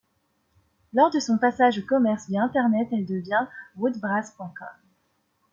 Lors de son passage au commerce via Internet elle devient Woodbrass.com.